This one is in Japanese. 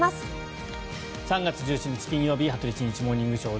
３月１７日、金曜日「羽鳥慎一モーニングショー」。